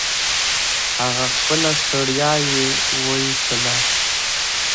هغه خپله ستړيا يې و ايستله.